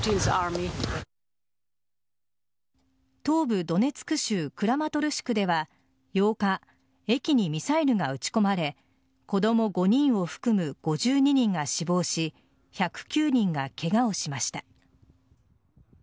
東部ドネツク州クラマトルシクでは８日、駅にミサイルが撃ち込まれ子供５人を含む５２人が死亡し１０９人がケガをしました。